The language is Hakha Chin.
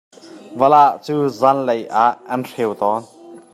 Valah cu zaanlei ah an riau tawn.